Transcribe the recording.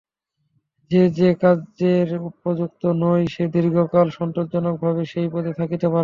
যে যে-কার্যের উপযুক্ত নয়, সে দীর্ঘকাল সন্তোষজনকভাবে সেই পদে থাকিতে পারে না।